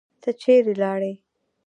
ته چیرې لاړې؟